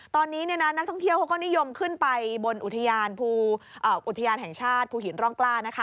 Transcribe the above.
ตอนนี้นักท่องเที่ยวเขาก็นิยมขึ้นไปบนอุทยานอุทยานแห่งชาติภูหินร่องกล้านะคะ